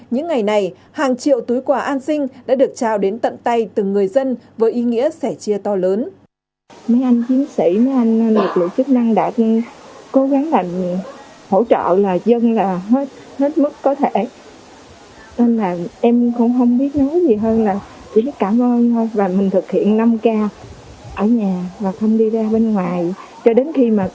những ngày này hàng triệu túi quà an sinh đã được trao đến tận tay từng người dân với ý nghĩa sẻ chia to lớn